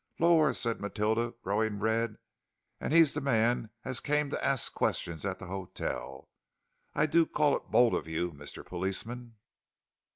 "Lor,'" said Matilda, growing red. "And he's the man as came to ask questions at the 'otel. I do call it bold of you, Mister Policeman."